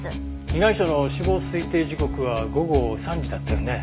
被害者の死亡推定時刻は午後３時だったよね。